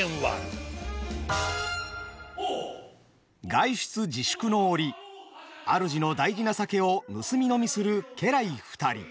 外出自粛の折主の大事な酒を盗み飲みする家来二人。